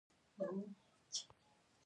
د ژامې عضلات تر ټولو قوي دي.